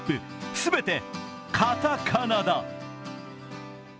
全て、カタカナだ。